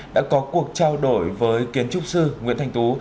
đã có cuộc trao đổi với kiến trúc sư nguyễn thanh tú